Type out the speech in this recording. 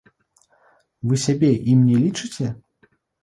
Вы сябе ім не лічыце?